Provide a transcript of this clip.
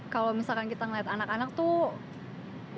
kalau misalkan kita ngeliat anak anak tuh